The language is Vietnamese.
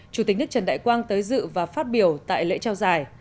chủ tịch nước trần đại quang tới dự và phát biểu tại lễ trao giải